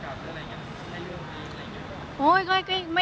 หรือว่าโอกาสอะไรอย่างนั้นให้เลือกเองอะไรอย่างนี้